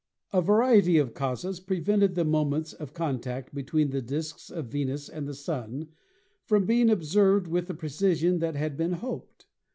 A variety of causes prevented the moments of contact between the discs of Venus and the Sun from being ob served with the precision that had been hoped.